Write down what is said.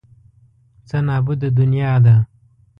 څه نابوده دنیا ده.